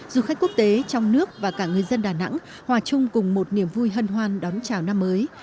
du khách quốc tế trong nước và cả người dân đà nẵng hòa chung cùng một niềm vui hân hoan đón chào năm mới